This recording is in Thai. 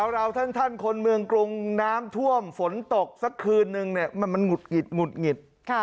เราท่านคนเมืองกรุงน้ำท่วมฝนตกสักคืนนึงเนี่ยมันหุดหงิดหงุดหงิด